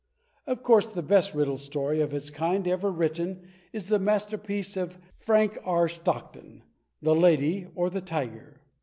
Of course the best Riddle Story of its kind ever written is that masterpiece of Frank R. Stockton, "The Lady or The Tiger?"